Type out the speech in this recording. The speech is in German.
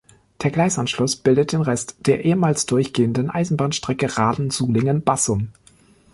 Der Gleisanschluss bildet den Rest der ehemals durchgehenden Eisenbahnstrecke Rahden-Sulingen-Bassum.